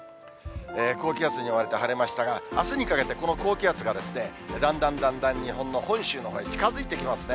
高気圧に覆われて晴れましたが、あすにかけて、この高気圧がだんだんだんだん日本の本州のほうへ近づいてきますね。